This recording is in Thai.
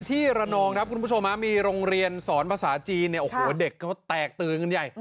ระนองครับคุณผู้ชมมีโรงเรียนสอนภาษาจีนเนี่ยโอ้โหเด็กเขาแตกตื่นกันใหญ่